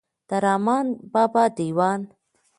د رحمان بابا دېوان.